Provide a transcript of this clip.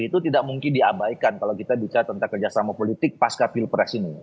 jadi itu tidak mungkin diabaikan kalau kita bicara tentang kerjasama politik pasca pilpres ini